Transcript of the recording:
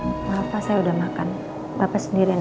maaf pak saya udah makan bapak sendirian aja